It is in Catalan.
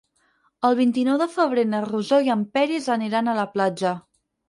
El vint-i-nou de febrer na Rosó i en Peris aniran a la platja.